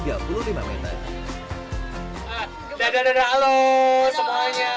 dadah dadah dadah halo semuanya